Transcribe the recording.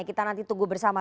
kita nanti tunggu bersama